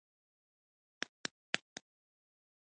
بوټونه د خپلو وسایلو برخه وي.